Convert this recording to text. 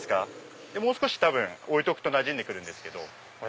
もう少し多分置いとくとなじんでくるんですけど。